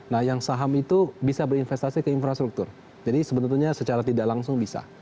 nah yang saham itu bisa berinvestasi ke infrastruktur jadi sebetulnya secara tidak langsung bisa